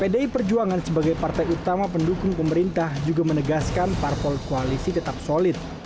pdi perjuangan sebagai partai utama pendukung pemerintah juga menegaskan parpol koalisi tetap solid